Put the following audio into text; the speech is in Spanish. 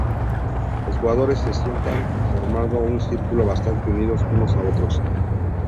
Los jugadores se sientan formando un círculo bastante unidos unos a otros.